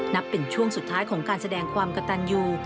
นับเป็นช่วงสุดท้ายของการแสดงความกระตันอยู่